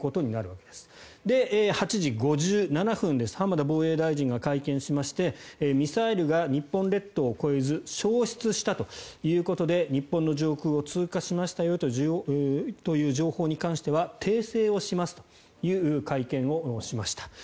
浜田防衛大臣が会見しましてミサイルが日本列島を越えず消失したということで日本の上空を通過しましたよという情報に関しては訂正をしますという会見をしました。